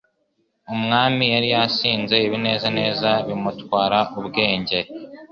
Umwami yari yasinze. Ibinezaneza bimutwara ubwenge.